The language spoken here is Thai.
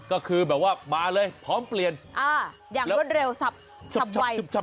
ก็คือแบบว่ามาเลยพร้อมเปลี่ยนอย่างรวดเร็วสับไว